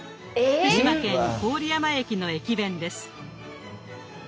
福島県郡山駅の駅弁です。